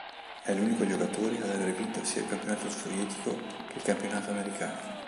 È l'unico giocatore ad aver vinto sia il campionato sovietico che il campionato americano.